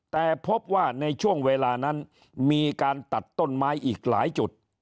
แต่พบว่าในช่วงเวลานั้นมีการตัดต้นไม้อีกหลายจุด